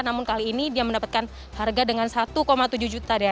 namun kali ini dia mendapatkan harga dengan satu tujuh juta